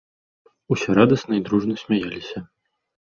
Усе радасна і дружна смяяліся.